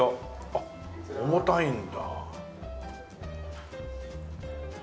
あっ重たいんだ。